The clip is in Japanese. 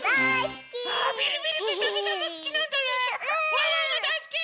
ワンワンもだいすき！